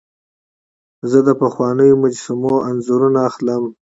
زه د پخوانیو مجسمو انځورونه اخلم.